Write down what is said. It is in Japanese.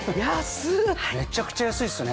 めちゃくちゃ安いっすね。